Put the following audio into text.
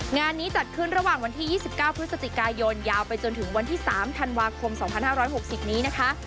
งานนี้จัดขึ้นระหว่างวันที่๒๙พฤศจิกายนยาวไปจนถึงวันที่๓ธันวาคม๒๕๖๐นี้นะคะ